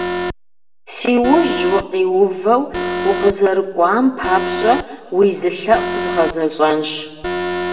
Си ужь укъиувэу укъызэрыкӀуам папщӀэ, уи зы лъэӀу згъэзэщӀэнщ.